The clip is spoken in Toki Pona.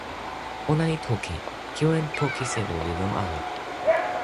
"ona li toki: "kiwen poki selo li lon ala."